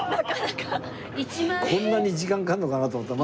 こんなに時間かかんのかなと思った。